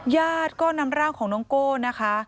ญาติก็นำร่างของน้องโก้นะคะ